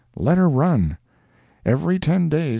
—let her run! Every ten days, $3.